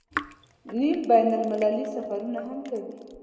نیم بین المللي سفرونه هم کوي.